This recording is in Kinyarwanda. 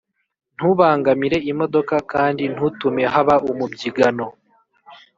Ntubangamire imodoka kandi ntutume haba umubyigano